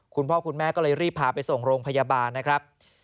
คุณพ่อคุณแม่ก็เลยรีบพาไปส่งโรงพยาบาลนะครับ